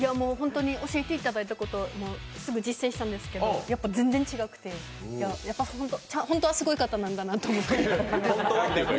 教えていただいたことすぐ実践したんですけどやっぱ全然違くて、本当はすごい方なんだと思って。